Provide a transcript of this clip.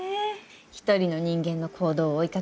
一人の人間の行動を追いかける。